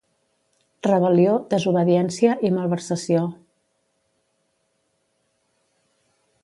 Rebel·lió, desobediència i malversació.